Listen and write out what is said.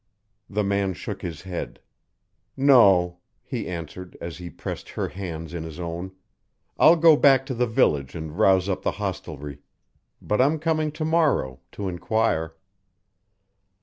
The man shook his head. "No," he answered, as he pressed her hands in his own, "I'll go back to the village and rouse up the hostelry, but I'm coming to morrow to inquire."